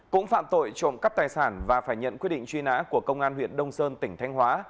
cũng phạm tội trộm cắp tài sản và phải nhận quyết định truy nã của công an huyện đông sơn tỉnh thanh hóa